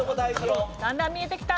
だんだん見えてきた。